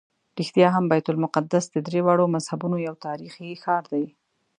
رښتیا هم بیت المقدس د درېواړو مذهبونو یو تاریخي ښار دی.